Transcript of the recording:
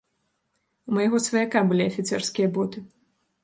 У майго сваяка былі афіцэрскія боты.